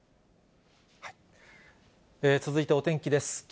続いてお天気です。